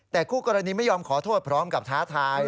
แต่คู่กรณีไม่ยอมขอโทษพร้อมกับท้าทาย